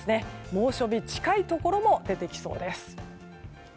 猛暑日近いところも出てきそうです。